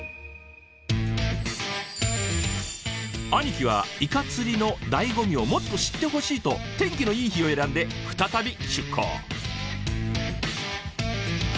兄貴はイカ釣りの醍醐味をもっと知ってほしいと天気のいい日を選んで再び出港。